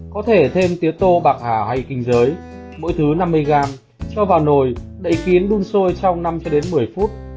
có thể thêm tiếng tô bạc hà hay kinh giới mỗi thứ năm mươi g cho vào nồi đậy kiến đun sôi trong năm một mươi phút